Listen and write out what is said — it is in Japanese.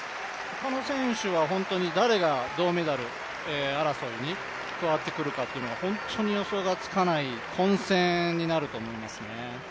他の選手は誰が銅メダル争いに加わってくるかは本当に予想がつかない混戦になると思いますね。